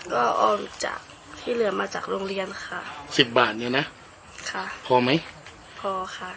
ก็เอาจากที่เหลือมาจากโรงเรียนค่ะสิบบาทเนี้ยนะค่ะพอไหมพอค่ะ